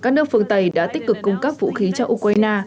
các nước phương tây đã tích cực cung cấp vũ khí cho ukraine